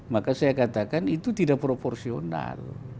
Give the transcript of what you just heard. maka saya katakan itu tidak proporsional